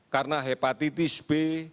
karena hepatitis b